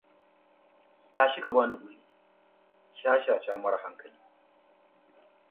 The area became a base town with military bases centered in Nodaka and Futenma.